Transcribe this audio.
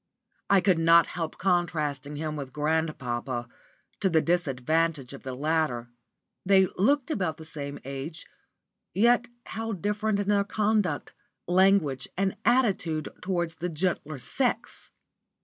I could not help contrasting him with grandpapa, to the disadvantage of the latter. They looked about the same age, yet how different in their conduct, language, and attitude towards the gentler sex!